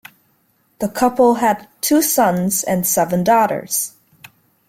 The couple had two sons and seven daughters.